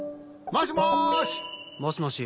もしもし。